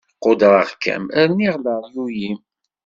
Qudreɣ-kem rniɣ leryuy-im.